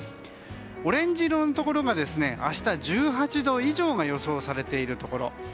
オレンジ色のところが明日、１８度以上が予想されているところ。